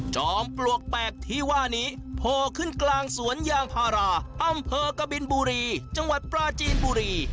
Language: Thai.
จอมปลวกแปลกที่ว่านี้โผล่ขึ้นกลางสวนยางพาราอำเภอกบินบุรีจังหวัดปราจีนบุรี